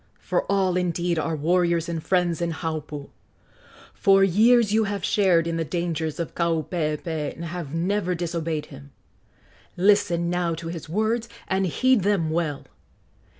for all, indeed, are warriors and friends in Haupu! for years you have shared in the dangers of Kaupeepee and have never disobeyed him. Listen now to his words, and heed them well.